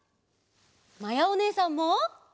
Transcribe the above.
まやおねえさんも。